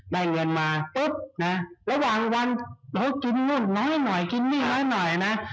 ได้เงินมาปุ๊บนะระหว่างวันเขากินนู่นน้อยหน่อยกินนี่น้อยหน่อยนะ